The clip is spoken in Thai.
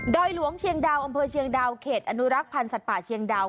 หลวงเชียงดาวอำเภอเชียงดาวเขตอนุรักษ์พันธ์สัตว์ป่าเชียงดาว